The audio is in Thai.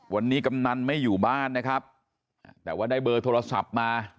วันนี้กำนันไม่อยู่บ้านนะครับแต่ว่าได้เบอร์โทรศัพท์มา